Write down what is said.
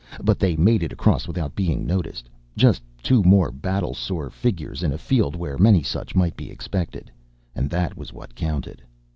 But they made it across without being noticed just two more battle sore figures in a field where many such might be expected and that was what counted.